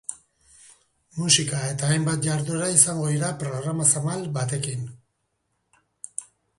Musika eta hainbat jarduera izango dira programa zabal batekin.